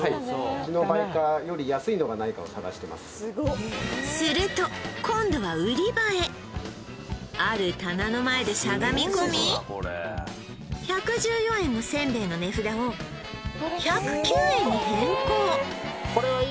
はいすると今度は売り場へある棚の前でしゃがみ込み１１４円のせんべいの値札を１０９円に変更